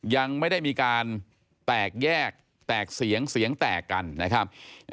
ยังไม่ได้มีการแตกแยกแตกเสียงเสียงแตกกันนะครับ